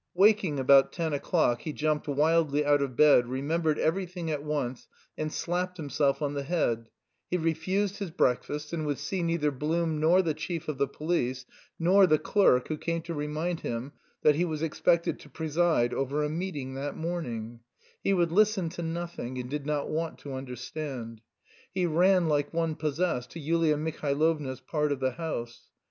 Waking about ten o'clock, he jumped wildly out of bed remembered everything at once, and slapped himself on the head; he refused his breakfast, and would see neither Blum nor the chief of the police nor the clerk who came to remind him that he was expected to preside over a meeting that morning; he would listen to nothing, and did not want to understand. He ran like one possessed to Yulia Mihailovna's part of the house.